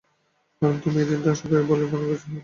কারণ তুমি এই দিনটা আসবে বলে ধারণা করেছিলে।